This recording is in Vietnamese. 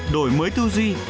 đổi mới tư duy